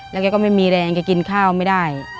แล้วแกก็ไม่มีแรงแกกินข้าวไม่ได้